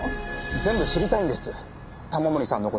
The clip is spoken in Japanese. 全部知りたいんです玉森さんの事。